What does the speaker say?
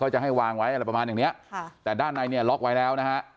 จะให้วางไว้อะไรประมาณอย่างเนี้ยค่ะแต่ด้านในเนี่ยล็อกไว้แล้วนะฮะ